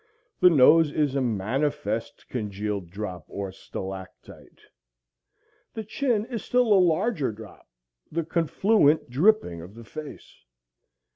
The nose is a manifest congealed drop or stalactite. The chin is a still larger drop, the confluent dripping of the face.